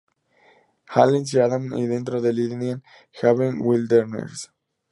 Helens y Adams y dentro del Indian Heaven Wilderness.